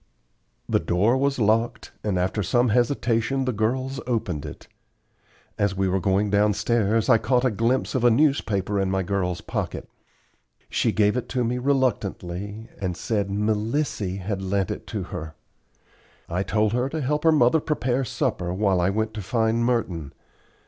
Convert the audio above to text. The door was locked, and after some hesitation the girls opened it. As we were going downstairs I caught a glimpse of a newspaper in my girl's pocket. She gave it to me reluctantly, and said "Melissy" had lent it to her. I told her to help her mother prepare supper while I went to find Merton.